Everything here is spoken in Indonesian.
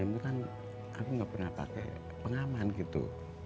dua ribu enam itu kan aku gak pernah pakai pengaman gitu